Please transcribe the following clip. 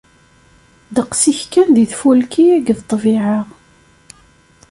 Ddeqs-is kan di tfulki akked ṭṭbiɛa.